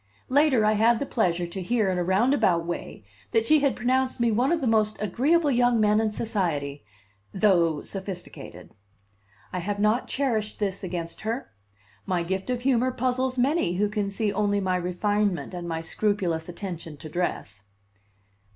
Later I had the pleasure to hear in a roundabout way that she had pronounced me one of the most agreeable young men in society, though sophisticated. I have not cherished this against her; my gift of humor puzzles many who can see only my refinement and my scrupulous attention to dress.